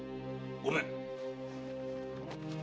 御免！